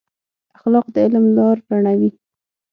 اخلاق د علم لار رڼوي.